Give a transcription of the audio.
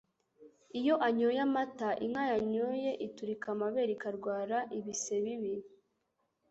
iyo anyoye amata, inka yanyoye iturika amabere Ikarwara ibise bibi